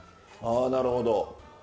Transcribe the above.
あなるほど。